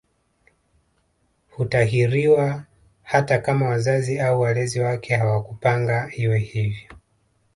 Hutahiriwa hata kama wazazi au walezi wake hawakupanga iwe hivyo